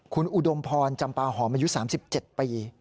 คุณอุดมพรจำปาหอมอายุ๓๗ปี